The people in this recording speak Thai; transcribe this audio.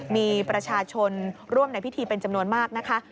มีประชาชนร่วมในพิธีเป็นจำนวนมากนะคะ